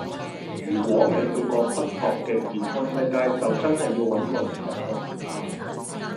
如果未去過北角嘅健康西街就真係要搵個時間去行吓